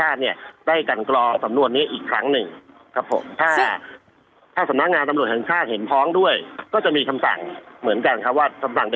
อันนี้ครับนี่ลักษณะการถูกดุลอำนาจกัน